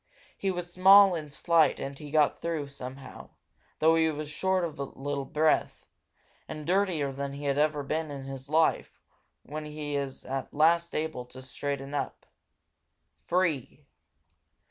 He was small and slight and he got through, somehow, though he was short of breath and dirtier than he had ever been in his life when at last he was able to straighten up free.